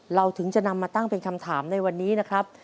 เราถึงจะนำมาตั้งเป็นคำถามในวันนี้นะครับ